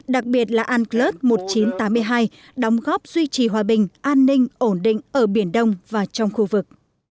đặc biệt là unclus một nghìn chín trăm tám mươi hai đóng góp duy trì hòa bình an ninh ổn định ở biển đông và trong khu vực